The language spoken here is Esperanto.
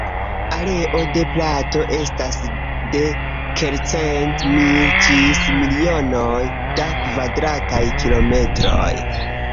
Areo de plato estas de kelkcent mil ĝis milionoj da kvadrataj kilometroj.